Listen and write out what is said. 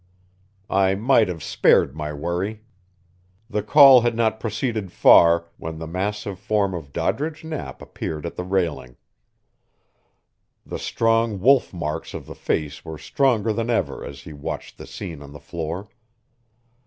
I might have spared my worry. The call had not proceeded far, when the massive form of Doddridge Knapp appeared at the railing. The strong wolf marks of the face were stronger than ever as he watched the scene on the floor.